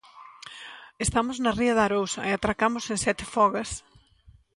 Estamos na ría de Arousa e atracamos en Sete Fogas.